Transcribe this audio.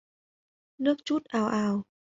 Nước trút ào ào